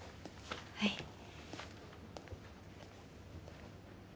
はい。